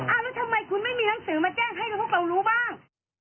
แล้วทำไมคุณไม่มีหนังสือมาแจ้งให้พวกเรารู้บ้าง